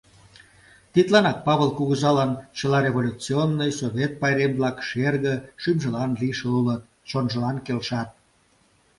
Тидланак Павыл кугызалан чыла революционный, совет пайрем-влак шерге, шӱмжылан лишыл улыт, чонжылан келшат.